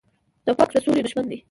توپک د سولې دښمن دی.